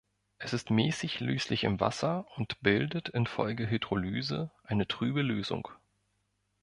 Es ist mäßig löslich in Wasser und bildet infolge Hydrolyse eine trübe Lösung.